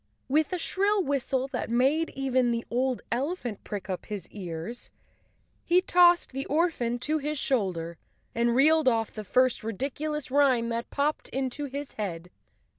With a shrill whistle that made even the old elephant prick up his ears, he tossed the orphan to his shoulder and reeled 31 The Cowardly Lion of Oz _ off the first ridiculous rhyme that popped into his head.